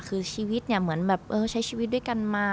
คือชีวิตเนี่ยเหมือนแบบเออใช้ชีวิตด้วยกันมา